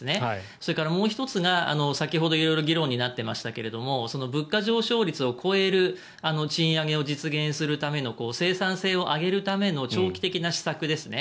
それからもう１つが先ほど色々議論になっていましたが物価上昇率を超える賃上げを実現するための生産性を上げるための長期的な施策ですね。